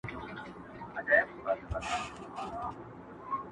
سر دي و خورم که له درده بېګانه سوم،